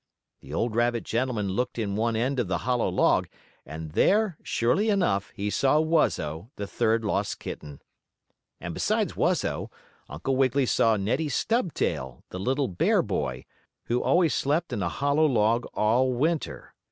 The old rabbit gentleman looked in one end of the hollow log, and there surely enough, he saw Wuzzo, the third lost kitten. And besides Wuzzo, Uncle Wiggily saw Neddie Stubtail, the little bear boy, who always slept in a hollow log all Winter.